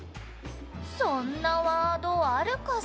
「そんなワードあるかしら？」